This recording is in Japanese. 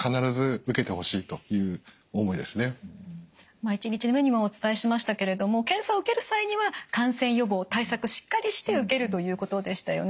まあ１日目にもお伝えしましたけれども検査を受ける際には感染予防対策しっかりして受けるということでしたよね。